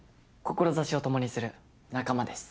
志を共にする仲間です。